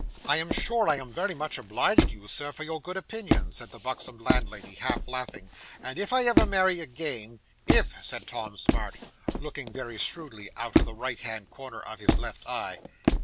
'"I am sure I am very much obliged to you, Sir, for your good opinion," said the buxom landlady, half laughing; "and if ever I marry again " '"If," said Tom Smart, looking very shrewdly out of the right hand corner of his left eye.